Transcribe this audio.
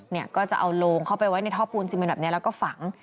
เนี่ยก็จะเอาโลงเข้าไปไว้ในท่อปูนซีเมนแบบนี้แล้วก็ฝัง